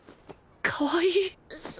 かわいい！